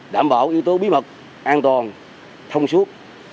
đảm bảo yếu tố bí mật an toàn thông suốt